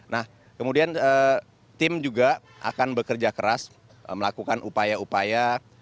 nah kemudian tim juga akan bekerja keras melakukan upaya upaya